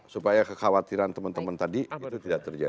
supaya kekhawatiran teman teman tadi itu tidak terjadi